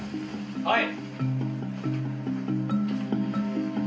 はい！